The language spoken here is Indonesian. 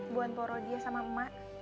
buan poro dia sama mak